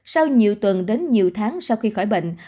sau nhiều tuần đến nhiều tháng sau khi khỏi bệnh